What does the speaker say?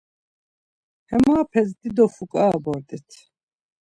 Hemorapes dido fuǩara bort̆it.